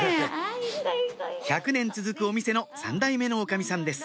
１００年続くお店の３代目の女将さんです